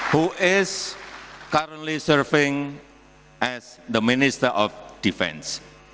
yang sedang berperan sebagai minister defense